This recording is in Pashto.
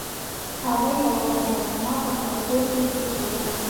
هغه یوه مجسمه په خپل کور کې کیښوده.